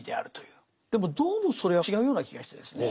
でもどうもそれは違うような気がしてですね。